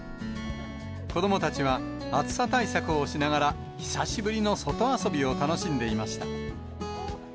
子どもたちは、暑さ対策をしながら、久しぶりの外遊びを楽しんでいました。